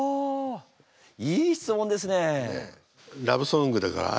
いい質問ですね。